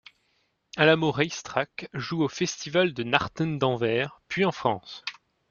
Alamo Race Track joue au festival De Nachten d'Anvers, puis en France.